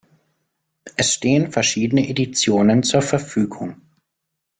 Es stehen verschiedene Editionen zur Verfügung.